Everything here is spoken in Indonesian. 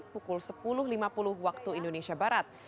pukul sepuluh lima puluh waktu indonesia barat